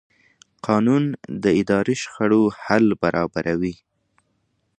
قانون د اداري شخړو حل برابروي.